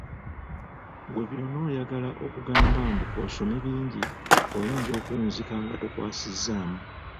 Ggwe by'onaayagala okugamba mbu k'osome bingi, oyinza okuwunzika nga tokwasizzaamu!